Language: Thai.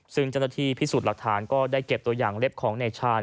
ซึ่งเจ้าหน้าที่พิสูจน์หลักฐานก็ได้เก็บตัวอย่างเล็บของในชาญ